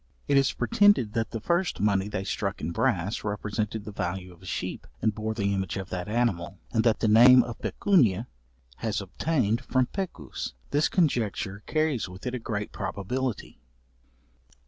It is pretended that the first money they struck in brass, represented the value of a sheep, and bore the image of that animal, and that the name of pecunia has obtained from pecus. This conjecture carries with it a great probability.